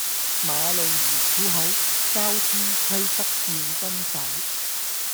馬路如虎口，交通規則要遵守